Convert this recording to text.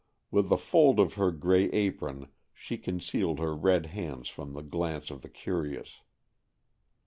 With a fold of her grey apron she concealed her red hands from the glance of the curious.